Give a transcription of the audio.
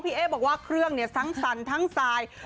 เอ๊บอกว่าเครื่องเนี่ยทั้งสั่นทั้งสาย